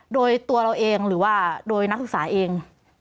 โดยตัวเราเองหรือว่าโดยนักศึกษาเอง